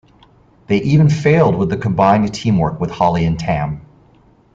They even faiiled with the combined teamwork with Holly and Tam.